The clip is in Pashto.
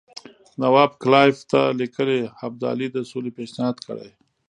نواب کلایف ته لیکلي ابدالي د سولې پېشنهاد کړی.